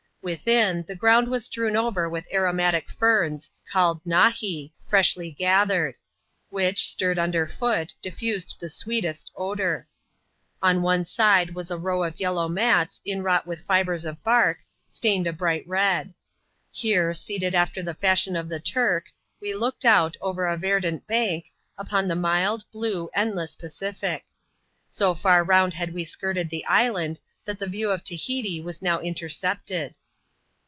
Within, the ground was strewn over with aromatic ferns — call " nahee "— freshly gathered ; which, stirred under foot, diffused the sweetest odour. On one side was a row of yellow mats, inwrought with fibres of bark, stained a bright red. Here, seated after the fashion of the Turk, we looked out, over a verdant bank, upon the mild, blue, endless Pacific. So far round had we skirted the island, that the view of Tahiti was now in tercepted.